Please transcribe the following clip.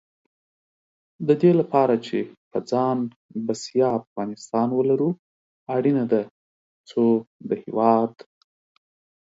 د دې لپاره چې په ځان بسیا افغانستان ولرو، اړینه ده څو د هېواد